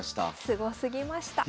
すごすぎました。